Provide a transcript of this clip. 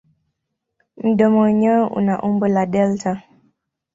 Mdomo wenyewe una umbo la delta.